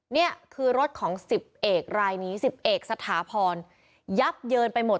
นี่คือรถของ๑๐เอกรายนี้๑๐เอกสถาพรยับเยินไปหมด